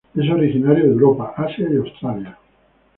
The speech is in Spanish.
Es originario de Europa, asia y Australia.